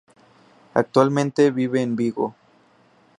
Actualmente vive en Vigo.